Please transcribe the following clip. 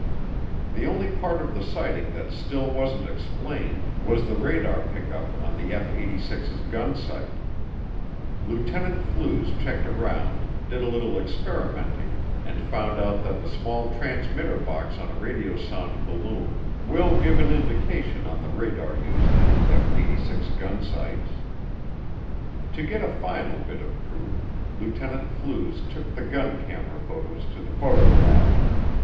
The only part of the sighting that still wasn't explained was the radar pickup on the F 86's gun sight. Lieutenant Flues checked around, did a little experimenting, and found out that the small transmitter box on a radiosonde balloon will give an indication on the radar used in F 86 gun sights. To get a final bit of proof, Lieutenant Flues took the gun camera photos to the photo lab.